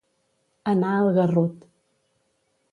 Anar al garrut.